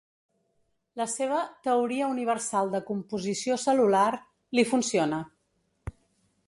La seva «teoria universal de composició cel·lular» li funciona.